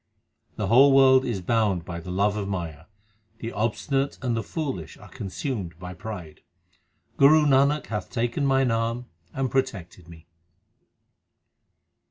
The whole world is bound by the love of Maya. The obstinate and the foolish are consumed by pride. Guru Nanak hath taken mine arm and protected me.